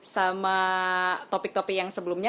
sama topik topik yang sebelumnya